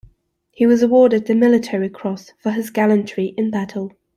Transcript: He was awarded the Military Cross for his gallantry in battle.